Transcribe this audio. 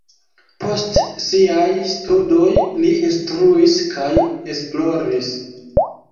Post siaj studoj li instruis kaj esploris.